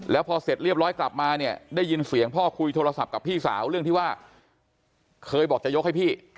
แล้วพอเสร็จเรียบร้อยกลับมาเนี่ยได้ยินเสียงพ่อคุยโทรศัพท์กับพี่สาวเรื่องที่ว่าเคยบอกจะยกให้พี่